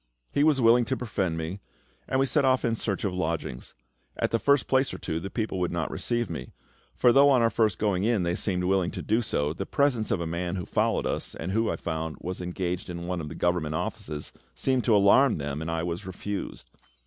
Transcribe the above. He was willing to befriend me, and we set off in search of lodgings. At the first place or two the people would not receive me; for though on our first going in they seemed willing to do so, the presence of a man who followed us, and who, I found, was engaged in one of the Government offices, seemed to alarm them, and I was refused.